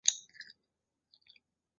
加强保护少年